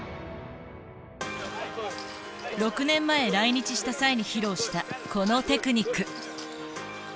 ６年前来日した際に披露したこのテクニック。